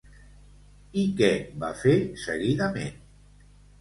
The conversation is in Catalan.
I què va fer seguidament?